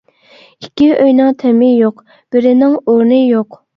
ئىككى ئۆينىڭ تېمى يوق، بىرىنىڭ ئورنى يوق.